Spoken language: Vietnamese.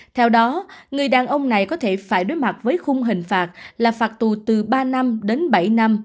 theo đó người đàn ông này có thể phải đối mặt với khung hình phạt là phạt tù từ ba năm đến bảy năm